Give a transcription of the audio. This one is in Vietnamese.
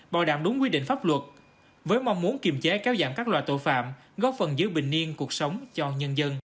bảo đảm đúng quy định pháp luật với mong muốn kiềm chế kéo giảm các loại tội phạm góp phần giữ bình niên cuộc sống cho nhân dân